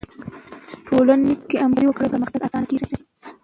ټولنه که همکاري وکړي، پرمختګ آسانه کیږي.